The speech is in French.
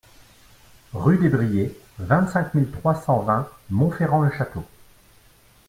Rue des Brillets, vingt-cinq mille trois cent vingt Montferrand-le-Château